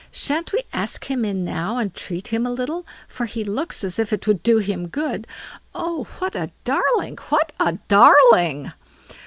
Shan't we ask him in now, and treat him a little, for he looks as if it would do him good. Oh! what a darling! What a darling!"